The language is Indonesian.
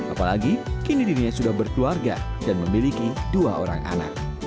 apalagi kini dirinya sudah berkeluarga dan memiliki dua orang anak